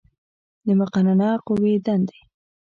د مقننه قوې دندې